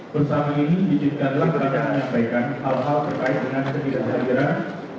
bersama ini dijudikanlah perbicaraan yang baikkan hal hal terkait dengan kegiatan hadiran